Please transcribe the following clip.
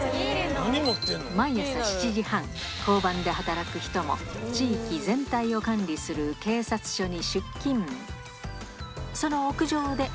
毎朝７時半、交番で働く人も地域全体を管理する警察署に出勤。